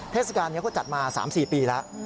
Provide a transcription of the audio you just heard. เทศกาลนี้เขาจัดมา๓๔ปีแล้ว